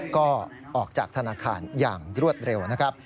ก็ออกจากธนาคารอย่างรวดเร็วนะครับ